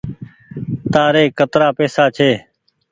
تآري ڪترآ پئيسا ڇي۔